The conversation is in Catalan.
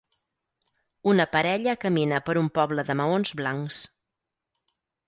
Una parella camina per un poble de maons blancs.